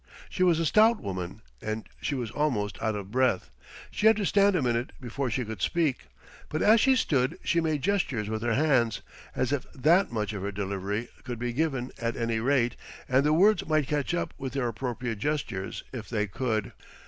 She was a stout woman, and she was almost out of breath. She had to stand a minute before she could speak, but as she stood she made gestures with her hands, as if that much of her delivery could be given, at any rate, and the words might catch up with their appropriate gestures if they could.